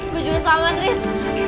gue juga selamat riz